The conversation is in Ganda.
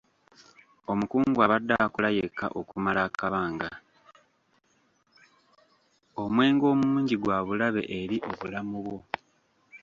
Omwenge omungi gwa bulabe eri obulamu bwo.